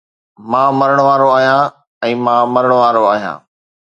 مان مرڻ وارو آهيان ۽ مان مرڻ وارو آهيان